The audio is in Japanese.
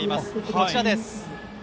こちらです。